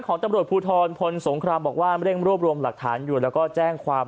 ของตำรวจภูทรพลสงครามบอกว่าเร่งรวบรวมหลักฐานอยู่แล้วก็แจ้งความ